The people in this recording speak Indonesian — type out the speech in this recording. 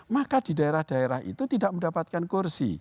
maka di daerah daerah itu tidak mendapatkan kursi